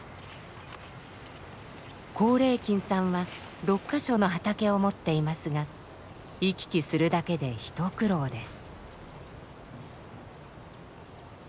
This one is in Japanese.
光礼金さんは６か所の畑を持っていますが行き来するだけで一苦労です。